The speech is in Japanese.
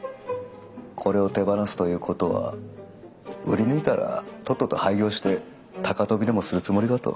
これを手放すということは売り抜いたらとっとと廃業して高飛びでもするつもりかと。